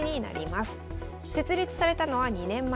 設立されたのは２年前。